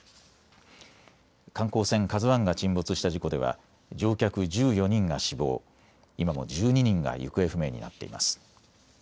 観光船、ＫＡＺＵＩが沈没した事故では乗客１４人が死亡、今も１２人が行方不明になっています。